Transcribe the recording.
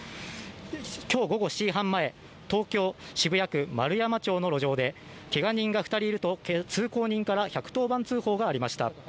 今日午後７時半前東京・渋谷区円山町の路上で、けが人が２人いると通行人から１１０番通報がありました。